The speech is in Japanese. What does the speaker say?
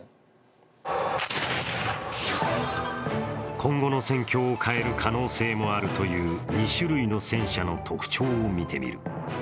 今後の戦況を変える可能性もあるという２種類の戦車の特徴を見てみる。